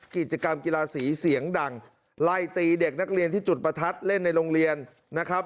กิจกรรมกีฬาสีเสียงดังไล่ตีเด็กนักเรียนที่จุดประทัดเล่นในโรงเรียนนะครับ